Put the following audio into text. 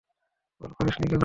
Call করিসনি কেন?